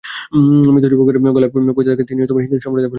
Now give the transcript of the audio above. মৃত যুবকের গলায় পইতা থাকায় তিনি হিন্দু সম্প্রদায়ের বলে ধারণা করা হচ্ছে।